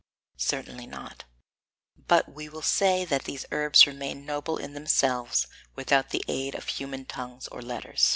Certainly not; but we will say that these herbs remained noble in themselves without the aid of human tongues or letters.